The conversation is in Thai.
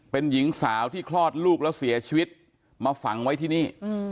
เป็นหญิงสาวที่คลอดลูกแล้วเสียชีวิตมาฝังไว้ที่นี่